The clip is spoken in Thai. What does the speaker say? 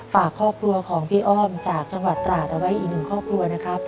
ฝากครอบครัวของพี่อ้อมจากจังหวัดตราดเอาไว้อีกหนึ่งครอบครัวนะครับ